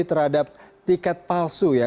terhadap tiket palsu ya